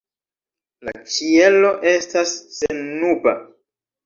La ĉielo estas sennuba.